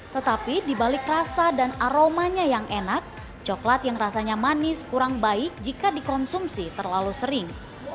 tetapi dibalik rasa dan aromanya yang enak coklat yang rasanya manis kurang baik jika dikonsumsi terlalu sering